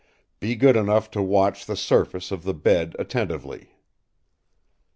Be good enough to watch the surface of the bed attentively.